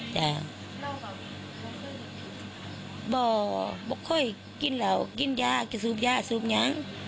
จ้าบอกค่อยกินเหล่ากินยากซูบยากซูบยัง